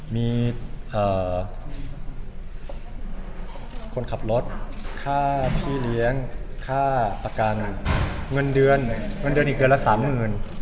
มีคนขับรถค่าพี่เลี้ยงค่าประกันเงินเดือนเงินเดือนอีกเดือนละ๓๐๐๐บาท